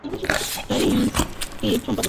টাইমসের সম্পাদক।